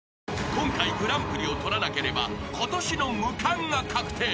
［今回グランプリを取らなければことしの無冠が確定］